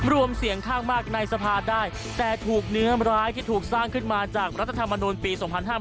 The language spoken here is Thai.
รวมเสียงข้างมากในสภาได้แต่ถูกเนื้อร้ายที่ถูกสร้างขึ้นมาจากรัฐธรรมนุนปี๒๕๕๙